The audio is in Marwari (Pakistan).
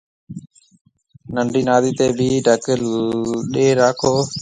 ننڊِي نادِي تيَ ڀِي ڍڪ ڏَي راکو